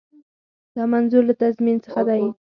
دا منظور له تضمین څخه دی.